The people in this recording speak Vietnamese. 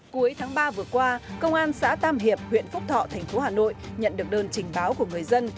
cuối tháng ba vừa qua công an xã tam hiệp huyện phúc thọ thành phố hà nội nhận được đơn trình báo của người dân